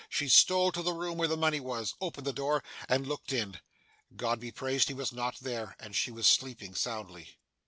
She stole to the room where the money was, opened the door, and looked in. God be praised! He was not there, and she was sleeping soundly.